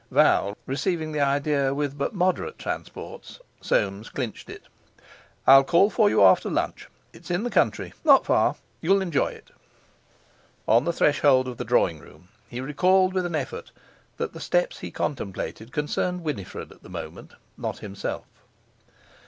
Val, receiving the idea with but moderate transports, Soames clinched it. "I'll call for you after lunch. It's in the country—not far; you'll enjoy it." On the threshold of the drawing room he recalled with an effort that the steps he contemplated concerned Winifred at the moment, not himself.